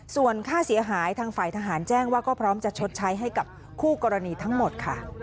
ส่วนค่าเสียหายทางฝ่ายทหารแจ้งว่าก็พร้อมจะชดใช้ให้กับคู่กรณีทั้งหมดค่ะ